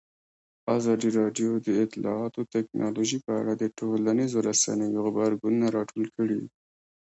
ازادي راډیو د اطلاعاتی تکنالوژي په اړه د ټولنیزو رسنیو غبرګونونه راټول کړي.